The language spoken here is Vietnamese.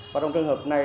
và trong trường hợp này